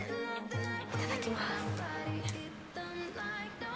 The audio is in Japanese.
いただきます。